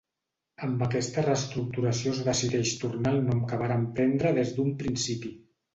Amb aquesta reestructuració es decideix tornar al nom que varen prendre des d'un principi.